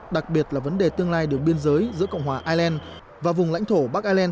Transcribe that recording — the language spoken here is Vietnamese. đặc biệt là vấn đề tương lai đường biên giới giữa cộng hòa ireland và vùng lãnh thổ bắc ireland